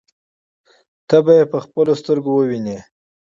ته به يې په خپلو سترګو ووینې.